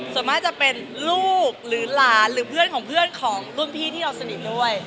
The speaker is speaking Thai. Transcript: ส่วนมากจะเป็นลูกหรือหลานหรือเพื่อนของเพื่อนของรุ่นพี่ที่เราสนิทด้วย